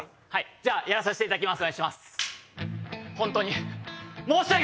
じゃあやらさせていただきます。